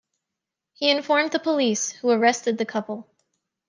He informed the police, who arrested the couple.